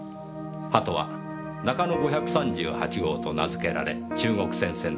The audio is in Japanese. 鳩は「中野５３８号」と名付けられ中国戦線で活躍。